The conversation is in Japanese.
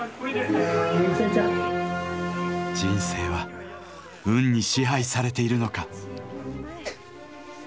人生は「運」に支配されているのか。